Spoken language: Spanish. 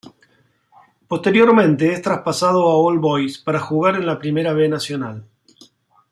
Posteriormente es traspasado a All Boys para jugar en la Primera B Nacional.